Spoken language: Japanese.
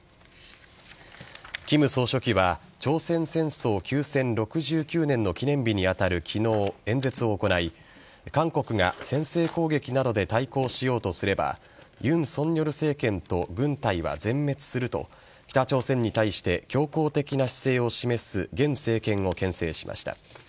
金総書記は朝鮮戦争休戦６９年の記念日に当たる昨日演説を行い韓国が先制攻撃などで対抗しようとすれば尹錫悦政権と軍隊は全滅すると北朝鮮に対して強硬的な姿勢を示す現政権をけん制しました。